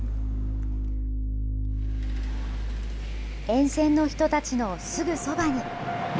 沿線の人たちのすぐそばに。